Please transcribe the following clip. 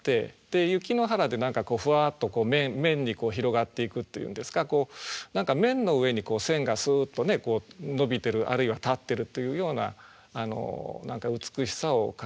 で「雪の原」で何かこうふわっと面に広がっていくっていうんですか何か面の上にこう線がすっとのびてるあるいは立ってるというような美しさを感じます。